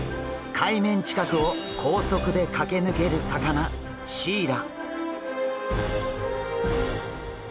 海面近くを高速で駆け抜ける魚シイラ。